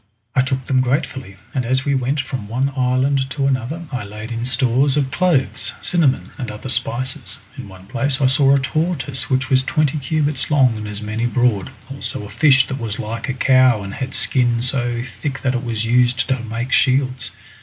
I took them gratefully, and as we went from one island to another I laid in stores of cloves, cinnamon, and other spices. In one place I saw a tortoise which was twenty cubits long and as many broad, also a fish that was like a cow and had skin so thick that it was used to make shields.